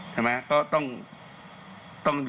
ใช่ไหมก็ต้องดู